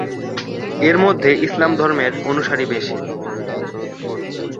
এর মধ্যে ইসলাম ধর্মের অনুসারী বেশি।